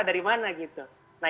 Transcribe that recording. dari mana gitu